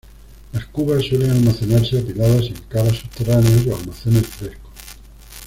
Las cubas suelen almacenarse apiladas en cavas subterráneas o almacenes frescos.